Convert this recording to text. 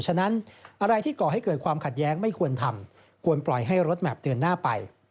ฉะนั้นอะไรที่ก่อให้เกิดความขัดแย้งไม่ควรทำควรปล่อยให้รถแมพเดินหน้าไป